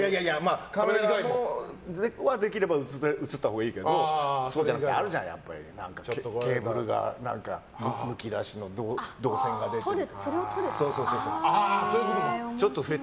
カメラもできれば写ったほうがいいけどそうじゃなくてケーブルが何かむき出しの導線が出てる。